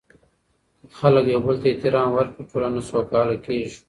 که خلک یو بل ته احترام ورکړي، ټولنه سوکاله کیږي.